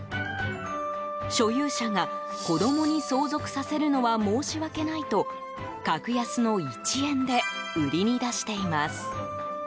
所有者が、子供に相続させるのは申し訳ないと格安の１円で売りに出しています。